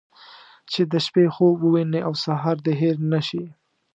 چې د شپې خوب ووينې او سهار دې هېر نه شي.